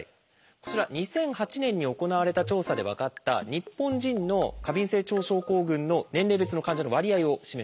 こちら２００８年に行われた調査で分かった日本人の過敏性腸症候群の年齢別の患者の割合を示しています。